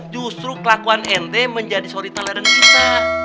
justru kelakuan n t menjadi sorita ladang kita